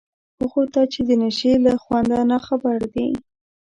هغو ته چي د نشې له خونده ناخبر دي